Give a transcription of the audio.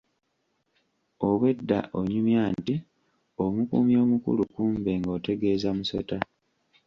Obwedda onyumya nti omukuumi omukulu kumbe ng'otegeeza musota!